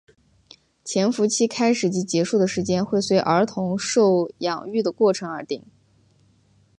潜伏期开始及结束的时间会随儿童受养育的过程而定。